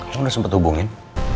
kamu udah sempat hubungin